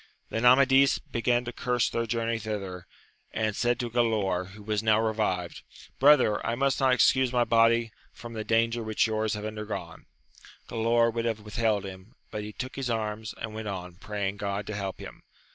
Then Amadis began to curse their journey thither, and said to Galaor, who was now revived, Brother, I must not excuse my body from the danger which yours have undergone. Galaor would have withheld him, but he took his arms, and went on, praying God to help him.